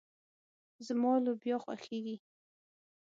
زما لوبيا خوښيږي.